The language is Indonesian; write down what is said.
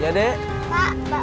ya dek pak pak